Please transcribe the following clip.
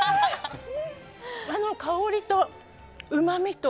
香りとうまみと。